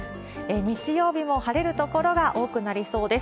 日曜日も晴れる所が多くなりそうです。